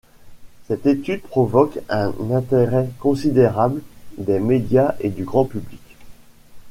Cette étude provoque un intérêt considérable des médias et du grand public.